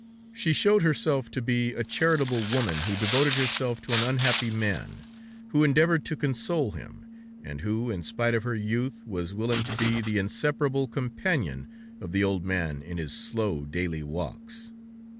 She showed herself to be a charitable woman who devoted herself to an unhappy man, who endeavored to console him, and who, in spite of her youth, was willing to be the inseparable companion of the old man in his slow, daily walks.